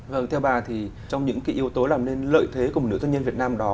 vâng theo bà thì trong những cái yếu tố làm nên lợi thế của một nữ doanh nhân việt nam đó